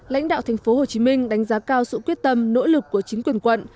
lãnh đạo thành phố hồ chí minh đánh giá cao sự quyết tâm nỗ lực của chính quyền quận